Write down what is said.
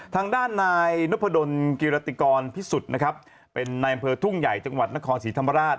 ทางด้านนายนพดลกิรติกรพิสุทธิ์นะครับเป็นนายอำเภอทุ่งใหญ่จังหวัดนครศรีธรรมราช